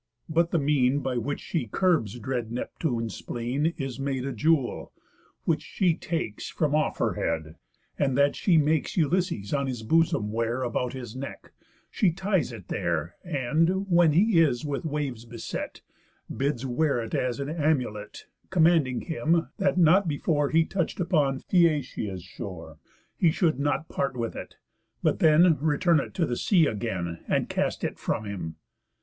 But the mean, By which she curbs dread Neptune's spleen, Is made a jewel, which she takes From off her head, and that she makes Ulysses on his bosom wear, About his neck, she ties it there, And, when he is with waves beset, Bids wear it as an amulet, Commanding him, that not before He touch'd upon Phæacia's shore, He should not part with it, but then Return it to the sea again, And cast it from him.